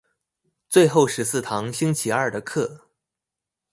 最後十四堂星期二的課